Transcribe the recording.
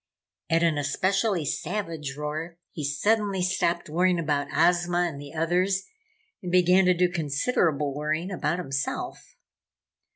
At an especially savage roar, he suddenly stopped worrying about Ozma and the others and began to do considerable worrying about himself.